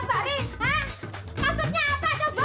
baru mandi bunda